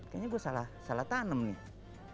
kayaknya gue salah tanem nih